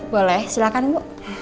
boleh silahkan bu